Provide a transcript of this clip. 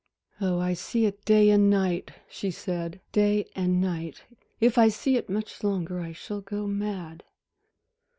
"Oh, I see it day and night," she said, "day and night! If I see it much longer, I shall go mad."